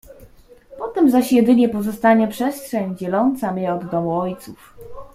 "Potem zaś jedynie pozostanie przestrzeń, dzieląca mię od domu ojców."